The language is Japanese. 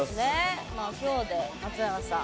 今日で松永さん